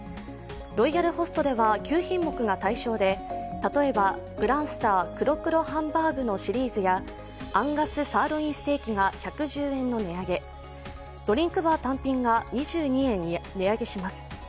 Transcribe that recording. ロイヤルホストでは９品目が対象で例えばグランスター黒×黒ハンバーグのシリーズがアンガスサーロインステーキが１１０円の値上げ、ドリンクバー単品が２２円値上げします。